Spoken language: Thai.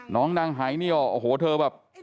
น้องนางหายเนี่ยโอ้โหเธอแบบ